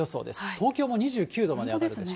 東京も２９度まで上がる。